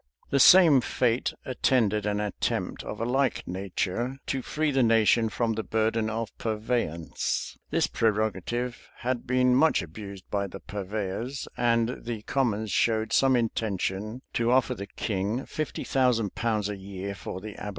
The same fate attended an attempt of a like nature, to free the nation from the burden of purveyance. This prerogative had been much abused by the purveyors;[v] and the commons showed some intention to offer the king fifty thousand pounds a year for the abolition of it.